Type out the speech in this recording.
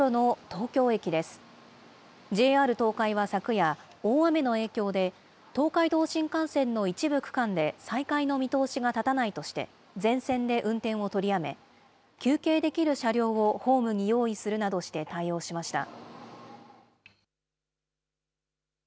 ＪＲ東海は昨夜、大雨の影響で東海道新幹線の一部区間で再開の見通しが立たないとして、全線で運転を取りやめ、休憩できる車両をホームに用意するなどして対応しました。